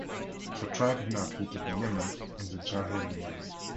The tribe inhabited Yemen in the Jahiliyyah.